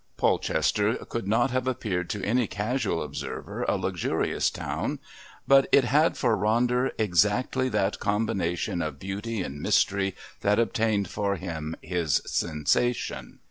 Polchester could not have appeared to any casual observer a luxurious town, but it had for Ronder exactly that combination of beauty and mystery that obtained for him his sensation.